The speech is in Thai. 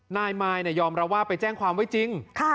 นายมายยอมรับว่าไปแจ้งความไว้จริง